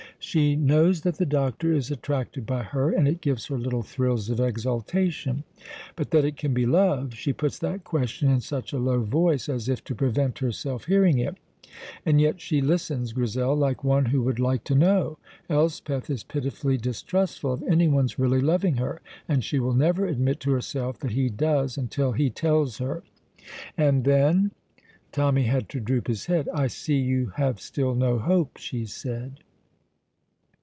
She knows that the doctor is attracted by her, and it gives her little thrills of exultation; but that it can be love she puts that question in such a low voice, as if to prevent herself hearing it. And yet she listens, Grizel, like one who would like to know! Elspeth is pitifully distrustful of anyone's really loving her, and she will never admit to herself that he does until he tells her." "And then?" Tommy had to droop his head. "I see you have still no hope!" she said.